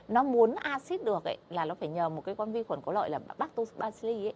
nó muốn acid được là nó phải nhờ một cái con vi khuẩn có lợi là bactose ba x li